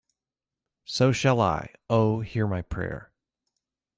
So shall I! Oh, hear my prayer